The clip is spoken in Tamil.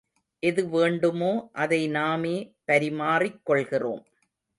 எது வேண்டுமோ அதை நாமே பறிமாறிக்கொள்கிறோம்.